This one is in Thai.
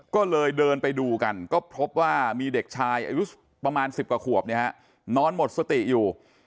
ก็เลยเดินไปดูกันก็พบว่ามีเด็กชายอายุประมาณ๑๐กว่าขวบนอนหมดสติอยู่